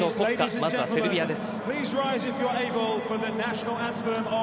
まずはセルビアです。